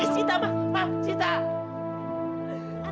tidak ada sita ma